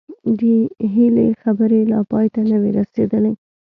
د هيلې خبرې لا پای ته نه وې رسېدلې